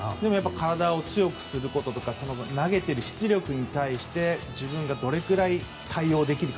体を強くすること投げている出力に対して自分がどれくらい対応できるか。